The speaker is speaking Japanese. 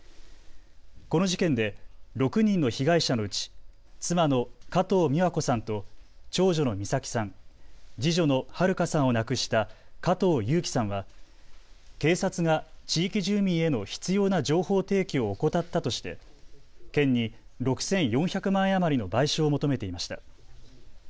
この事件で６人の被害者のうち妻の加藤美和子さんと長女の美咲さん、次女の春花さんを亡くした加藤裕希さんは警察が地域住民への必要な情報提供を怠ったとして県に６４００万円余りの賠償を求めていました。